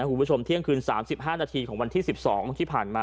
คุณผู้ชมเที่ยงคืน๓๕นาทีของวันที่๑๒ที่ผ่านมา